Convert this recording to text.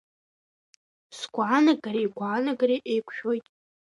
Сгәаанагареи игәаанагареи еиқәшәоит.